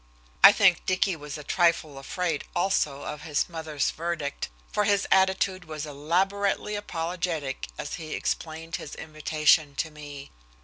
I think Dicky was a trifle afraid, also, of his mother's verdict, for his attitude was elaborately apologetic as he explained his invitation to me.